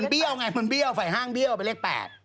มันบี้เอาไงมันบี้เอาไฝ่ห้างบี้เอาไปเลข๘